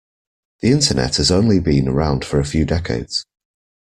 The internet has only been around for a few decades.